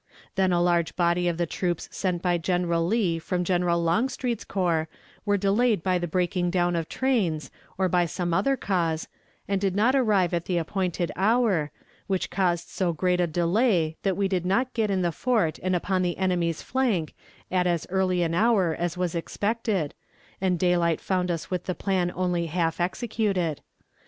Then a large body of the troops sent by General Lee from General Longstreet's corps were delayed by the breaking down of trains, or by some other cause, and did not arrive at the appointed hour, which caused so great a delay that we did not get in the fort and upon the enemy's flank at as early an hour as was expected, and daylight found us with the plan only half executed.